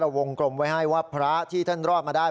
วงกลมไว้ให้ว่าพระที่ท่านรอดมาได้